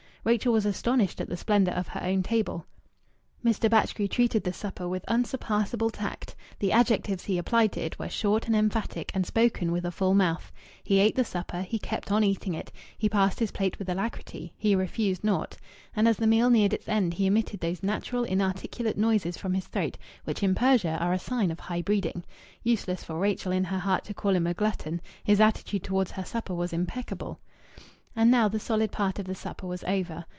Rachel was astonished at the splendour of her own table. Mr. Batchgrew treated this supper with unsurpassable tact. The adjectives he applied to it were short and emphatic and spoken with a full mouth. He ate the supper; he kept on eating it; he passed his plate with alacrity; he refused naught. And as the meal neared its end he emitted those natural inarticulate noises from his throat which in Persia are a sign of high breeding. Useless for Rachel in her heart to call him a glutton his attitude towards her supper was impeccable. And now the solid part of the supper was over.